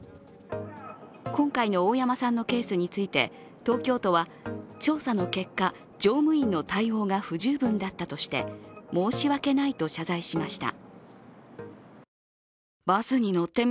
今回の大山さんのケースについて東京都は調査の結果、乗務員の対応が不十分だったとして申し訳ないと謝罪しました。